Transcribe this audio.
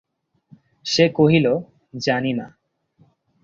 সে কহিল, জানি না।